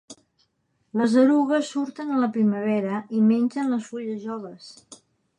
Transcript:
Les erugues surten a la primavera i mengen les fulles joves.